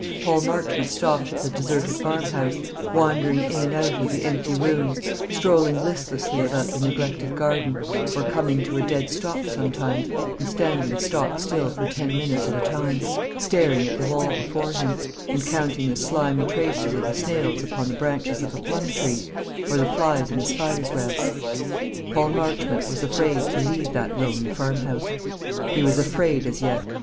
Paul Marchmont stopped at the deserted farmhouse, wandering in and out of the empty rooms, strolling listlessly about the neglected garden, or coming to a dead stop sometimes, and standing stock still for ten minutes at a time, staring at the wall before him, and counting the slimy traces of the snails upon the branches of a plum tree, or the flies in a spider's web. Paul Marchmont was afraid to leave that lonely farmhouse. He was afraid as yet.